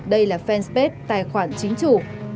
đây là fanspace tài khoản chính chủ